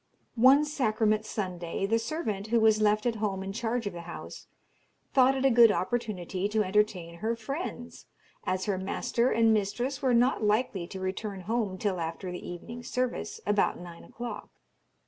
One Sacrament Sunday the servant, who was left at home in charge of the house, thought it a good opportunity to entertain her friends, as her master and mistress were not likely to return home till after the evening's service, about nine o'clock.